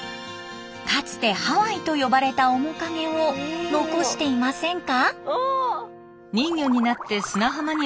かつてハワイと呼ばれた面影を残していませんか？